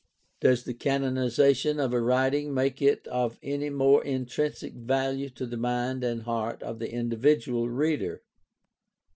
Does the canonization of a writing make it of any more intrinsic value to the mind and heart of the individual reader